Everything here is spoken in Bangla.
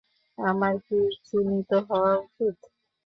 আমার কি চিন্তিত হওয়া উচিত?